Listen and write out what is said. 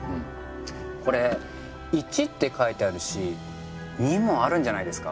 これ「１」って書いてあるし「２」もあるんじゃないですか？